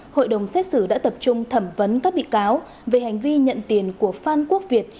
hội đồng xét xử đã tập trung thẩm vấn các bị cáo về hành vi nhận tiền của phan quốc việt